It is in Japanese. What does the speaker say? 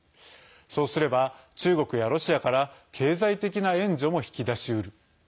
そうすれば、中国やロシアから経済的な援助も引き出しうる。